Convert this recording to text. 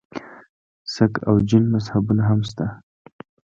سک او جین مذهبونه هم شته.